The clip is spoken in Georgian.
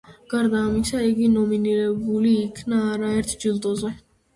გარდა ამისა, იგი ნომინირებული იქნა არაერთ ჯილდოზე.